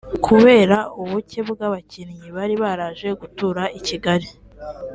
Kubera ubuke bw’ abakinnyi bari baraje gutura i Kigali